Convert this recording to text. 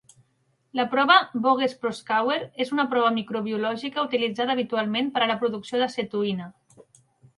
La prova Voges-Proskauer és una prova microbiològica utilitzada habitualment per a la producció d'acetoïna.